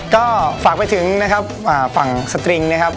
ก็ฝากไปถึงนะครับฝั่งสตริงนะครับ